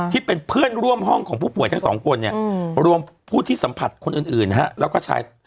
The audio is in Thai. ที่เป็นเพื่อนร่วมห้องของผู้ป่วยทั้งสองคนเนี่ยรวมผู้ที่สัมผัสคนอื่นฮะแล้วก็ชาย